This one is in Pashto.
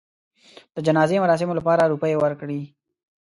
د جنازې مراسمو لپاره روپۍ ورکړې.